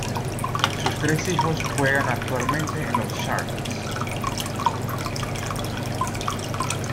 Sus tres hijos juegan actualmente en los Sharks.